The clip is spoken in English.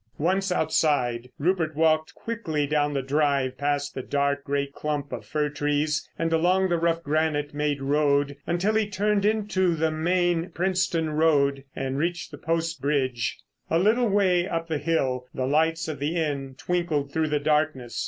Once outside Rupert walked quickly down the drive, past the dark, great clump of fir trees and along the rough granite made road until he turned into the main Princetown road and reached Post Bridge. A little way up the hill the lights of the inn twinkled through the darkness.